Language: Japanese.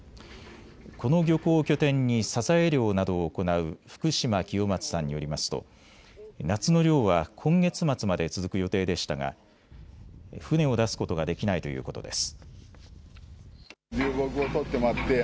この漁港を拠点にサザエ漁などを行う福島清松さんによりますと、夏の漁は今月末まで続く予定でしたが船を出すことができないということです。